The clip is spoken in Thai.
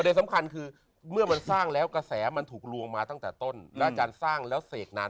นี่อะไรมันส่งสิบแนนวอะไรกัน